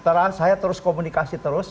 sekarang saya terus komunikasi terus